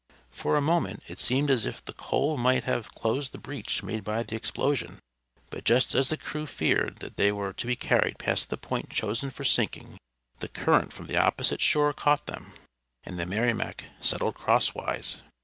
For a moment it seemed as if the coal might have closed the breach made by the explosion, but just as the crew feared that they were to be carried past the point chosen for sinking the current from the opposite shore caught them, and the Merrimac settled crosswise.